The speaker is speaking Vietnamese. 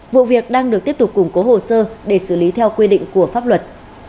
vụ việc đang được tiếp tục củng cố hồ sơ để xử lý theo quy định của pháp luật